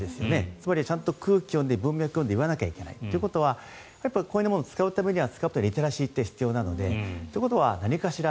つまり空気を読んで文脈を読まなきゃいけない。ということはこういうものを使うためにはリテラシーというのが必要なのでということは何かしら。